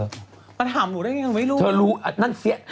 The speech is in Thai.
แต่ถามหนูได้ยังไม่รู้มั้งเธอรู้นั่นเสีย